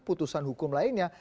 putusan hukum lainnya